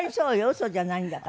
嘘じゃないんだから。